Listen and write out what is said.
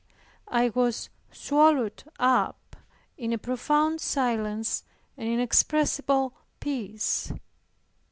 I was swallowed up in a profound silence and an inexpressible peace.